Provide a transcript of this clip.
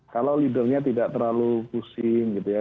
kalau leadernya tidak terlalu pusing gitu ya